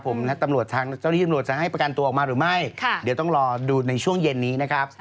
คุณต้องตำรวจทางจะให้ประการตัวออกมาหรือไม่เดี๋ยวต้องรอดูในช่วงเย็นนี้